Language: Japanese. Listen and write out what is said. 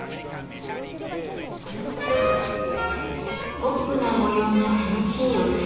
ポップな模様が楽しいお皿たち。